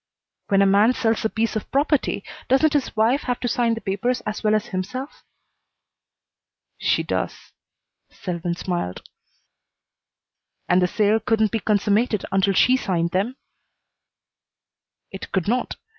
"When a man sells a piece of property doesn't his wife have to sign the papers as well as himself?" "She does." Selwyn smiled. "And the sale couldn't be consummated unless she signed them?" "It could not.